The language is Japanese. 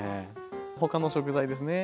他の食材ですね。